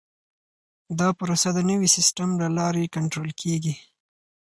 دا پروسه د نوي سیسټم له لارې کنټرول کیږي.